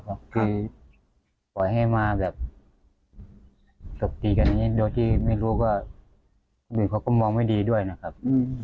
ก็คือปล่อยให้มาแบบตบตีกันอย่างนี้โดยที่ไม่รู้ว่าหนึ่งเขาก็มองไม่ดีด้วยนะครับ